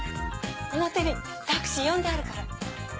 表にタクシー呼んであるから。